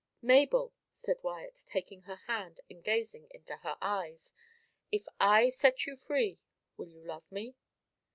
"Mabel," said Wyat, taking her hand, and gazing into her eyes, "if I set you free, will you love me?"